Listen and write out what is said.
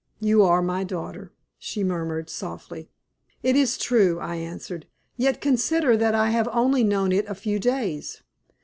"You are my daughter," she murmured, softly. "It is true," I answered; "yet consider that I have only known it a few days.